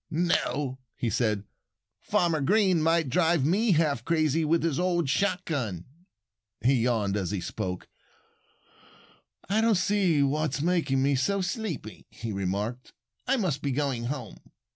"No!" he said. "Farmer Green might drive me half crazy with his old shotgun." He yawned as he spoke. "I don't see what's making me so sleepy," he remarked. "I must be going home."